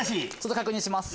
確認します。